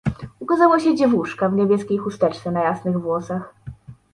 Ukazała się dziewuszka w niebieskiej chusteczce na jasnych włosach.